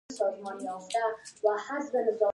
دښمن د انساني ارزښتونو ضد وي